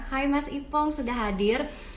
hai mas ipong sudah hadir